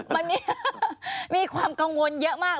มันมีความกังวลเยอะมาก